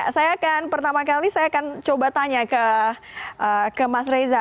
saya akan pertama kali saya akan coba tanya ke mas reza